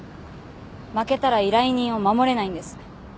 負けたら依頼人を守れないんです。